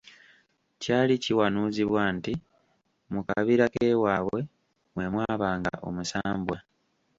Kyali kiwanuuzibwa nti mu kabira k’ewaabwe mwe mwabanga omusambwa.